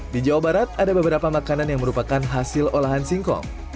di jawa barat ada beberapa makanan yang merupakan hasil olahan singkong